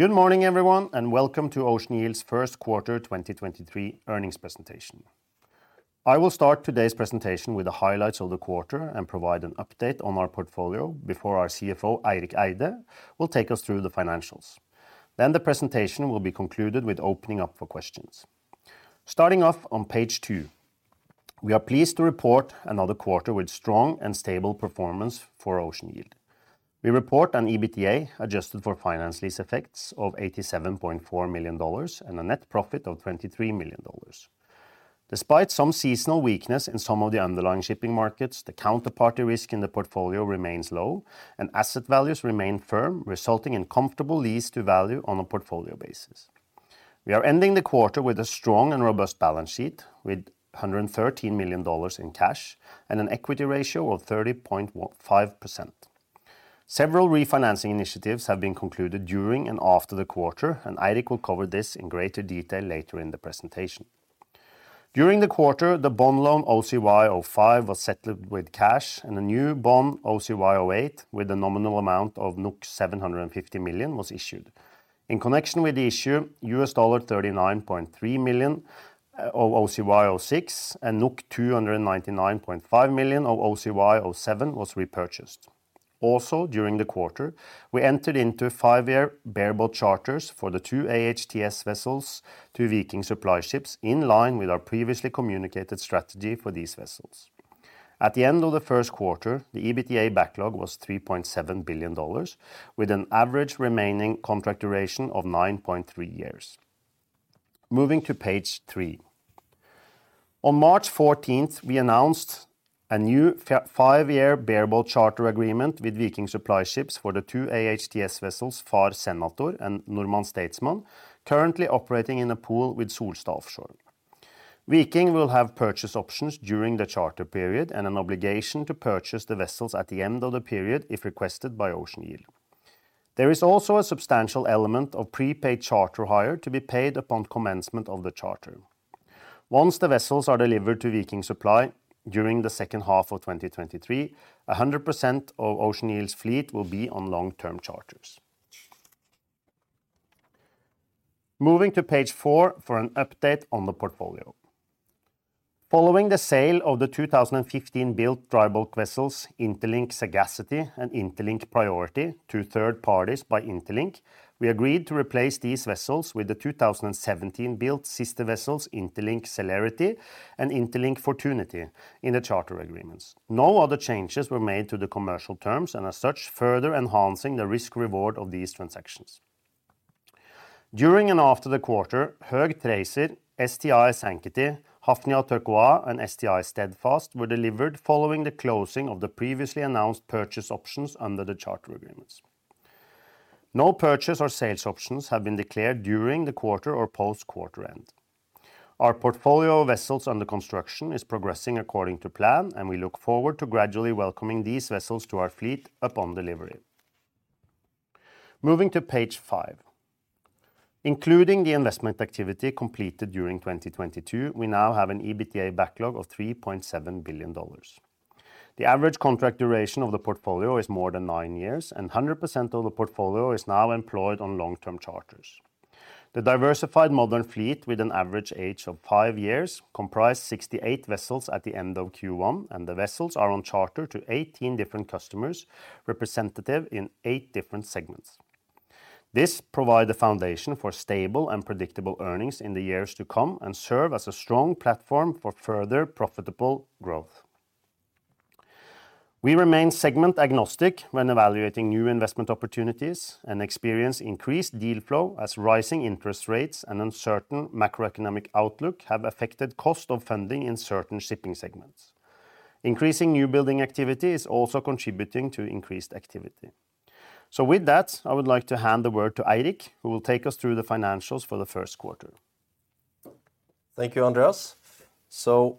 Good morning, everyone, welcome to Ocean Yield's first quarter 2023 earnings presentation. I will start today's presentation with the highlights of the quarter and provide an update on our portfolio before our CFO, Eirik Eide, will take us through the financials. The presentation will be concluded with opening up for questions. Starting off on page 2, we are pleased to report another quarter with strong and stable performance for Ocean Yield. We report an EBITDA adjusted for finance lease effects of $87.4 million and a net profit of $23 million. Despite some seasonal weakness in some of the underlying shipping markets, the counterparty risk in the portfolio remains low, and asset values remain firm, resulting in comfortable lease to value on a portfolio basis. We are ending the quarter with a strong and robust balance sheet, with $113 million in cash and an equity ratio of 30.15%. Several refinancing initiatives have been concluded during and after the quarter. Eirik will cover this in greater detail later in the presentation. During the quarter, the bond loan OCY05 was settled with cash, and a new bond, OCY08, with a nominal amount of 750 million, was issued. In connection with the issue, $39.3 million of OCY06 and 299.5 million of OCY07 was repurchased. During the quarter, we entered into a 5-year bareboat charters for the two AHTS vessels to Viking Supply Ships, in line with our previously communicated strategy for these vessels. At the end of the first quarter, the EBITDA backlog was $3.7 billion, with an average remaining contract duration of 9.3 years. Moving to page 3. On March 14th, we announced a new 5-year bareboat charter agreement with Viking Supply Ships for the two AHTS vessels, Far Senator and Normand Statesman, currently operating in a pool with Solstad Offshore. Viking will have purchase options during the charter period and an obligation to purchase the vessels at the end of the period if requested by Ocean Yield. There is also a substantial element of prepaid charter hire to be paid upon commencement of the charter. Once the vessels are delivered to Viking Supply during the second half of 2023, 100% of Ocean Yield's fleet will be on long-term charters. Moving to page 4 for an update on the portfolio. Following the sale of the 2015-built dry bulk vessels, Interlink Sagacity and Interlink Priority, to third parties by Interlink, we agreed to replace these vessels with the 2017-built sister vessels, Interlink Celerity and Interlink Fortuity, in the charter agreements. No other changes were made to the commercial terms and as such, further enhancing the risk reward of these transactions. During and after the quarter, Höegh Tracer, STI Sanctity, Hafnia Turquoise, and STI Steadfast were delivered following the closing of the previously announced purchase options under the charter agreements. No purchase or sales options have been declared during the quarter or post-quarter end. Our portfolio of vessels under construction is progressing according to plan, and we look forward to gradually welcoming these vessels to our fleet upon delivery. Moving to page 5. Including the investment activity completed during 2022, we now have an EBITDA backlog of $3.7 billion. The average contract duration of the portfolio is more than 9 years, and 100% of the portfolio is now employed on long-term charters. The diversified modern fleet, with an average age of 5 years, comprised 68 vessels at the end of Q1, and the vessels are on charter to 18 different customers, representative in 8 different segments. This provide the foundation for stable and predictable earnings in the years to come and serve as a strong platform for further profitable growth. We remain segment agnostic when evaluating new investment opportunities and experience increased deal flow as rising interest rates and uncertain macroeconomic outlook have affected cost of funding in certain shipping segments. Increasing new building activity is also contributing to increased activity. With that, I would like to hand the word to Eirik, who will take us through the financials for the first quarter. Thank you, Andreas.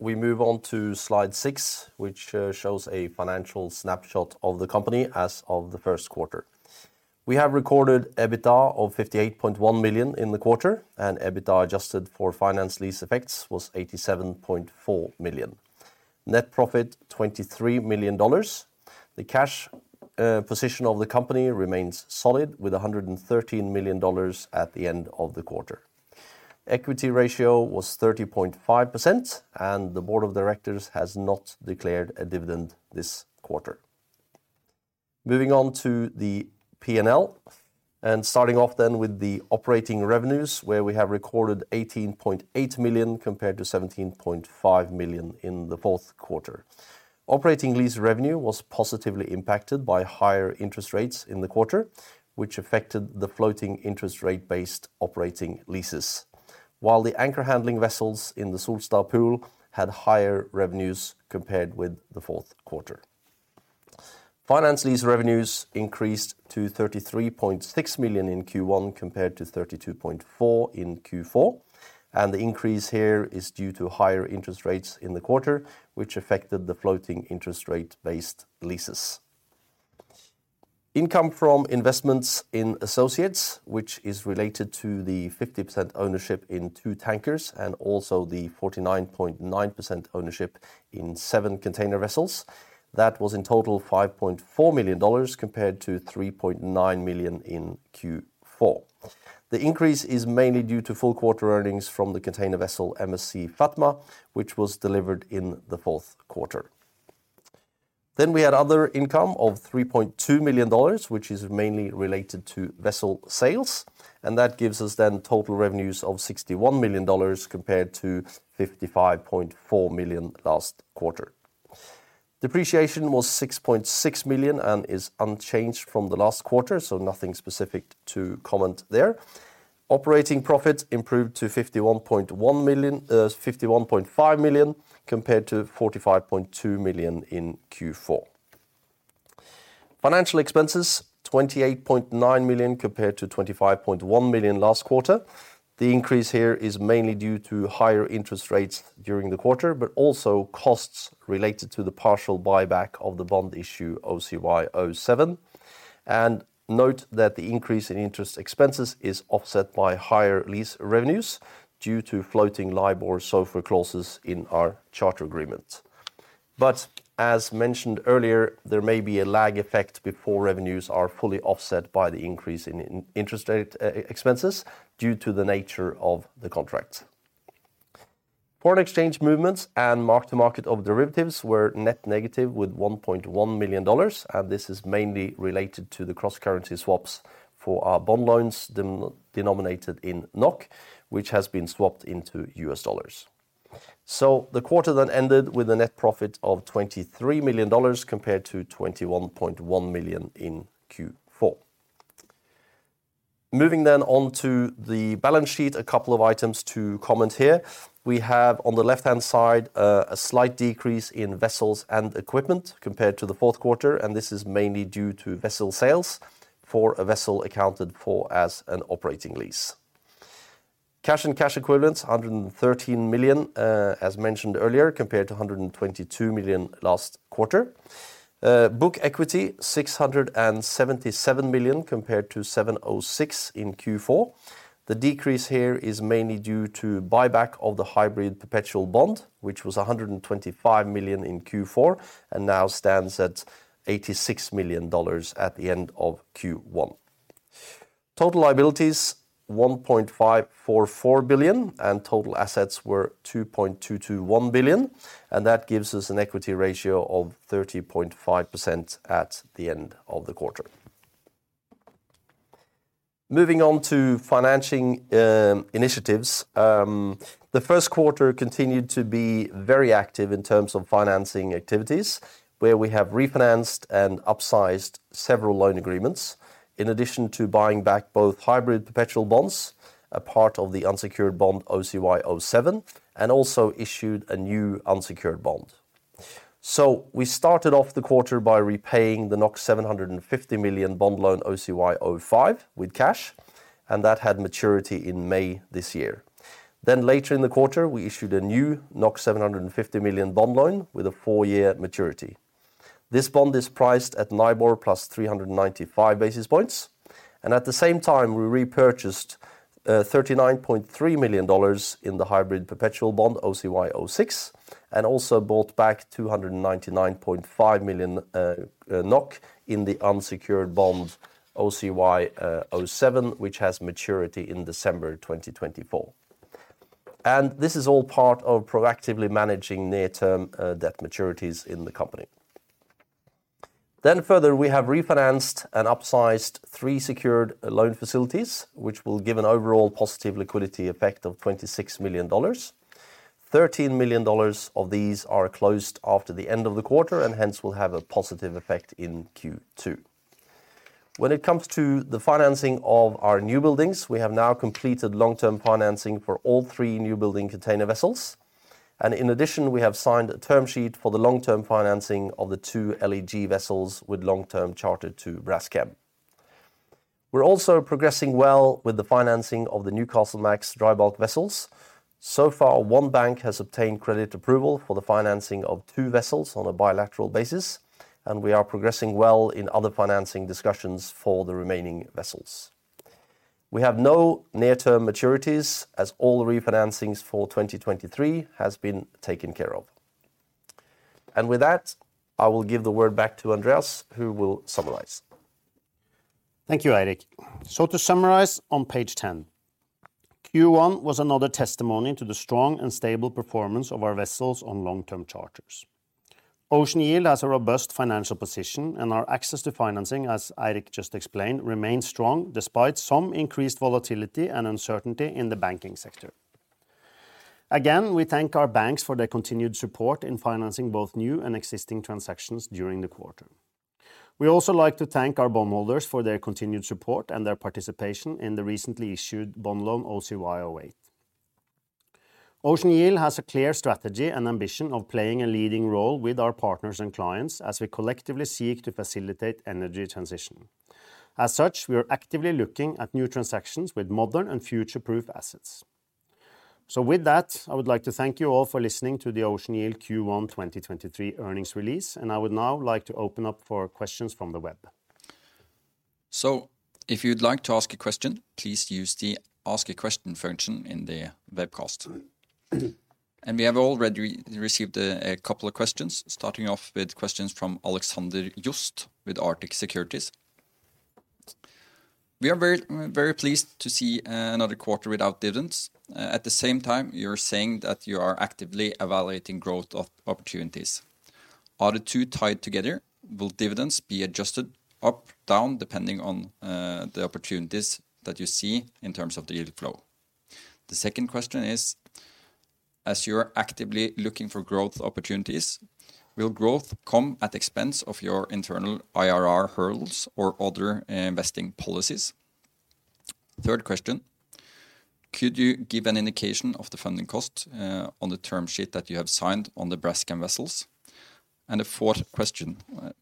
We move on to slide 6, which shows a financial snapshot of the company as of the first quarter. We have recorded EBITDA of $58.1 million in the quarter, and EBITDA adjusted for finance lease effects was $87.4 million. Net profit, $23 million. The cash position of the company remains solid, with $113 million at the end of the quarter. Equity ratio was 30.5%, and the board of directors has not declared a dividend this quarter. Moving on to the P&L, and starting off then with the operating revenues, where we have recorded $18.8 million compared to $17.5 million in the fourth quarter. Operating lease revenue was positively impacted by higher interest rates in the quarter, which affected the floating interest rate-based operating leases, while the anchor handling vessels in the Solstad pool had higher revenues compared with the fourth quarter. Finance lease revenues increased to $33.6 million in Q1 compared to $32.4 million in Q4, and the increase here is due to higher interest rates in the quarter, which affected the floating interest rate-based leases. Income from investments in associates, which is related to the 50% ownership in two tankers and also the 49.9% ownership in seven container vessels, that was in total $5.4 million compared to $3.9 million in Q4. The increase is mainly due to full quarter earnings from the container vessel MSC Fatma, which was delivered in the fourth quarter. We had other income of $3.2 million, which is mainly related to vessel sales, and that gives us total revenues of $61 million compared to $55.4 million last quarter. Depreciation was $6.6 million and is unchanged from the last quarter, nothing specific to comment there. Operating profit improved to $51.5 million compared to $45.2 million in Q4. Financial expenses, $28.9 million compared to $25.1 million last quarter. The increase here is mainly due to higher interest rates during the quarter, also costs related to the partial buyback of the bond issue OCY07. Note that the increase in interest expenses is offset by higher lease revenues due to floating LIBOR SOFR clauses in our charter agreement. As mentioned earlier, there may be a lag effect before revenues are fully offset by the increase in interest rate expenses due to the nature of the contracts. Foreign exchange movements and mark-to-market of derivatives were net negative with $1.1 million. This is mainly related to the cross-currency swaps for our bond loans denominated in NOK, which has been swapped into U.S. dollars. The quarter ended with a net profit of $23 million compared to $21.1 million in Q4. Moving on to the balance sheet, a couple of items to comment here. We have, on the left-hand side, a slight decrease in vessels and equipment compared to the fourth quarter. This is mainly due to vessel sales for a vessel accounted for as an operating lease. Cash and cash equivalents, $113 million, as mentioned earlier, compared to $122 million last quarter. Book equity, $677 million compared to $706 million in Q4. The decrease here is mainly due to buyback of the hybrid perpetual bond, which was $125 million in Q4 and now stands at $86 million at the end of Q1. Total liabilities, $1.544 billion, and total assets were $2.221 billion, and that gives us an equity ratio of 30.5% at the end of the quarter. Moving on to financing initiatives. The first quarter continued to be very active in terms of financing activities, where we have refinanced and upsized several loan agreements, in addition to buying back both hybrid perpetual bonds, a part of the unsecured bond OCY07, and also issued a new unsecured bond. We started off the quarter by repaying the 750 million bond loan OCY05 with cash, and that had maturity in May this year. Later in the quarter, we issued a new 750 million bond loan with a four-year maturity. This bond is priced at LIBOR plus 395 basis points, and at the same time, we repurchased $39.3 million in the hybrid perpetual bond OCY06 and also bought back 299.5 million NOK in the unsecured bond OCY07, which has maturity in December 2024. This is all part of proactively managing near-term debt maturities in the company. Further, we have refinanced and upsized three secured loan facilities, which will give an overall positive liquidity effect of $26 million. $13 million of these are closed after the end of the quarter and hence will have a positive effect in Q2. When it comes to the financing of our new buildings, we have now completed long-term financing for all three new building container vessels. In addition, we have signed a term sheet for the long-term financing of the two LEG vessels with long-term charter to Braskem. We're also progressing well with the financing of the Newcastlemax dry bulk vessels. So far, one bank has obtained credit approval for the financing of two vessels on a bilateral basis. We are progressing well in other financing discussions for the remaining vessels. We have no near-term maturities, as all the refinancings for 2023 has been taken care of. With that, I will give the word back to Andreas, who will summarize. Thank you, Eirik. To summarize on page 10, Q1 was another testimony to the strong and stable performance of our vessels on long-term charters. Ocean Yield has a robust financial position, and our access to financing, as Eirik just explained, remains strong despite some increased volatility and uncertainty in the banking sector. Again, we thank our banks for their continued support in financing both new and existing transactions during the quarter. We also like to thank our bondholders for their continued support and their participation in the recently issued bond loan, OCY08. Ocean Yield has a clear strategy and ambition of playing a leading role with our partners and clients as we collectively seek to facilitate energy transition. As such, we are actively looking at new transactions with modern and future-proof assets. With that, I would like to thank you all for listening to the Ocean Yield Q1 2023 earnings release, and I would now like to open up for questions from the web. If you'd like to ask a question, please use the Ask a Question function in the webcast. We have already received a couple of questions, starting off with questions from Alexander Jost with Arctic Securities. "We are very pleased to see another quarter without dividends. At the same time, you're saying that you are actively evaluating growth opportunities. Are the two tied together? Will dividends be adjusted up, down, depending on the opportunities that you see in terms of the yield flow?" The second question is, "As you're actively looking for growth opportunities, will growth come at the expense of your internal IRR hurdles or other investing policies?" Third question: "Could you give an indication of the funding cost on the term sheet that you have signed on the Braskem vessels?" Fourth question: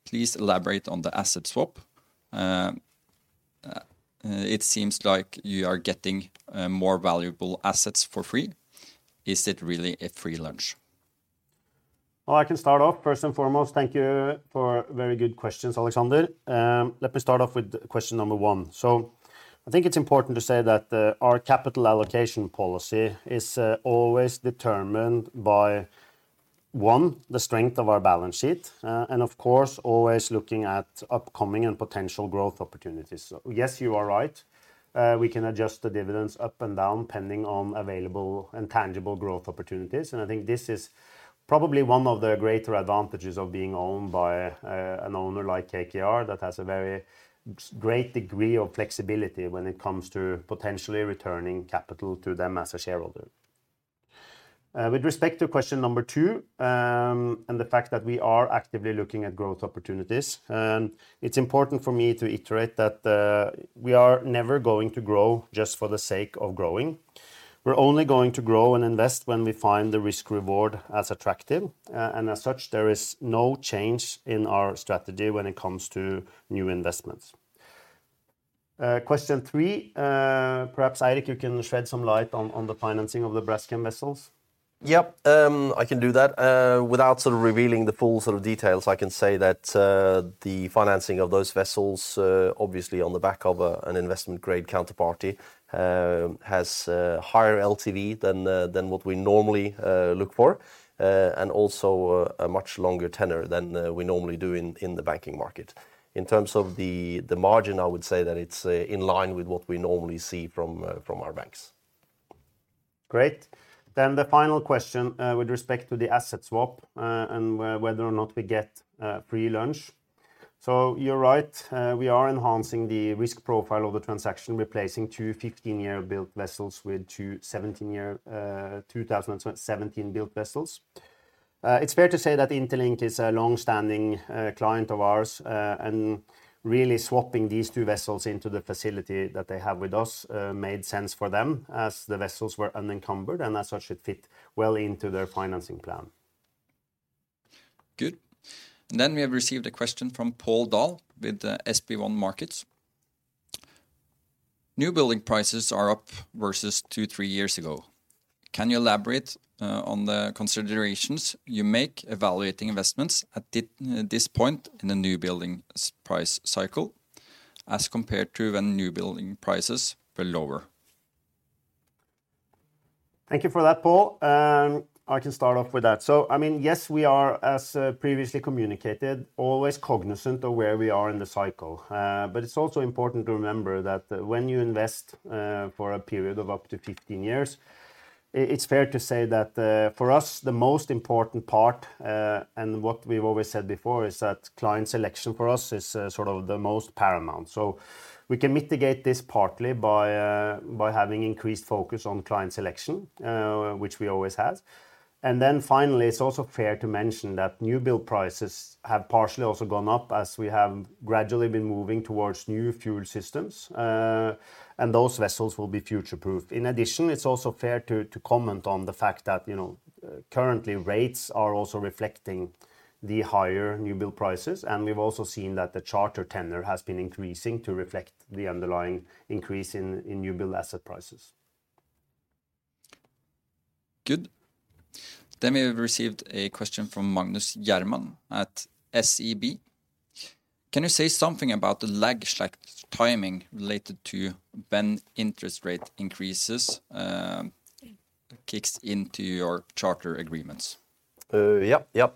"Please elaborate on the asset swap. It seems like you are getting more valuable assets for free. Is it really a free lunch? Well, I can start off. First and foremost, thank you for very good questions, Alexander. Let me start off with question number 1. I think it's important to say that our capital allocation policy is always determined by, 1, the strength of our balance sheet, and of course, always looking at upcoming and potential growth opportunities. Yes, you are right. We can adjust the dividends up and down, pending on available and tangible growth opportunities, and I think this is probably one of the greater advantages of being owned by an owner like KKR, that has a very great degree of flexibility when it comes to potentially returning capital to them as a shareholder. With respect to question number two, and the fact that we are actively looking at growth opportunities, it's important for me to iterate that we are never going to grow just for the sake of growing. We're only going to grow and invest when we find the risk-reward as attractive. As such, there is no change in our strategy when it comes to new investments. Question three, perhaps, Eirik, you can shed some light on the financing of the Braskem vessels. Yep, I can do that. Without sort of revealing the full sort of details, I can say that the financing of those vessels, obviously on the back of a, an investment-grade counterparty, has higher LTV than than what we normally look for, and also a much longer tenor than we normally do in in the banking market. In terms of the margin, I would say that it's in line with what we normally see from from our banks. Great. Then the final question, with respect to the asset swap, and whether or not we get a free lunch. You're right, we are enhancing the risk profile of the transaction, replacing two 15-year built vessels with two 17-year, 2017-built vessels. It's fair to say that Interlink is a long-standing client of ours, and really swapping these two vessels into the facility that they have with us, made sense for them, as the vessels were unencumbered, and as such should fit well into their financing plan. Good. We have received a question from Pål Dahl with the SB1 Markets. "New building prices are up versus two, three years ago. Can you elaborate on the considerations you make evaluating investments at this point in the new building price cycle, as compared to when new building prices were lower? Thank you for that, Pål. I can start off with that. I mean, yes, we are, as previously communicated, always cognizant of where we are in the cycle. It's also important to remember that when you invest, for a period of up to 15 years, it's fair to say that for us, the most important part, and what we've always said before, is that client selection for us is sort of the most paramount. We can mitigate this partly by having increased focus on client selection, which we always have. Then finally, it's also fair to mention that new build prices have partially also gone up as we have gradually been moving towards new fuel systems, and those vessels will be future-proof. It's also fair to comment on the fact that, you know, currently rates are also reflecting the higher new build prices. We've also seen that the charter tenor has been increasing to reflect the underlying increase in new build asset prices. Good. We have received a question from Magnus Gjerman at SEB. "Can you say something about the lag effect timing related to when interest rate increases, kicks into your charter agreements? yep.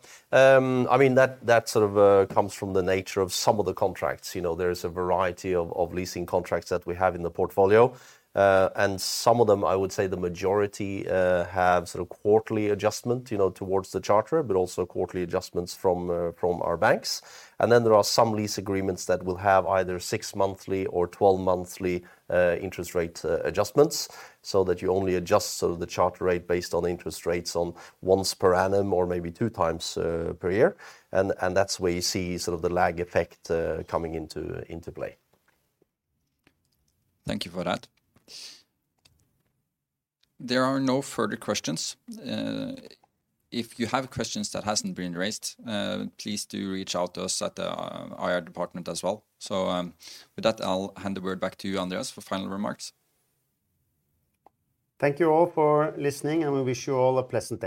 I mean, that sort of comes from the nature of some of the contracts. You know, there is a variety of leasing contracts that we have in the portfolio. Some of them, I would say the majority, have sort of quarterly adjustment, you know, towards the charter, but also quarterly adjustments from our banks. Then there are some lease agreements that will have either 6-monthly or 12-monthly interest rate adjustments, so that you only adjust the charter rate based on interest rates on once per annum or maybe 2 times per year. That's where you see sort of the lag effect coming into play. Thank you for that. There are no further questions. If you have questions that hasn't been raised, please do reach out to us at our IR department as well. With that, I'll hand the word back to you, Andreas, for final remarks. Thank you all for listening, and we wish you all a pleasant day.